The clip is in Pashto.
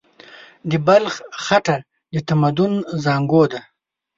د بلخ خټه د تمدن زانګو ده.